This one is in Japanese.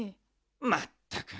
まったく！